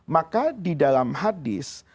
maka di dalam hadis